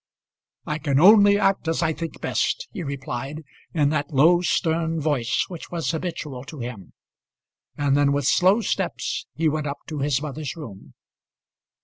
"I can only act as I think best," he replied in that low stern voice which was habitual to him; and then with slow steps he went up to his mother's room.